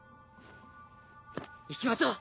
行きましょう！